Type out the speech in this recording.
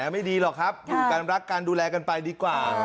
ไม่ดีหรอกครับการรักการดูแลกันไปดีกว่า